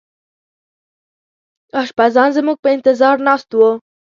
اشپزان زموږ په انتظار ناست وو.